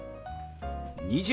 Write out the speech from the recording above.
「２０」。